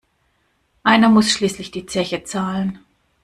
Einer muss schließlich die Zeche zahlen.